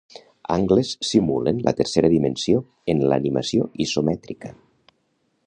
Angles simulen la tercera dimensió en l'animació isomètrica.